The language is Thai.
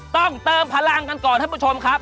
ต้องเติมพลังกันก่อนท่านผู้ชมครับ